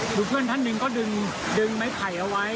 ขอบคุณเพื่อนทุกช่างมากเลยครับ